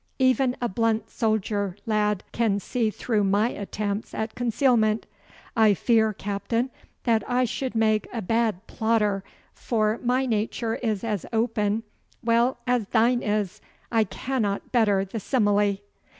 'Even a blunt soldier lad can see through my attempts at concealment. I fear, Captain, that I should make a bad plotter, for my nature is as open well, as thine is. I cannot better the simile.